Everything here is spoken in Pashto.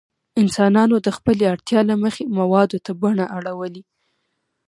انسانانو د خپلې اړتیا له مخې موادو ته بڼه اړولې.